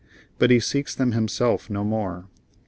But he seeks them himself no more.